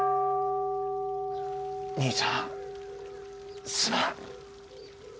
兄さんすまん。